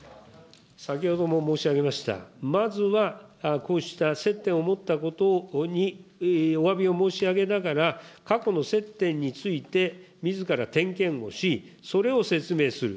先ほども申し上げました、まずは、こうした接点を持ったことにおわびを申し上げながら、過去の接点についてみずから点検をし、それを説明する。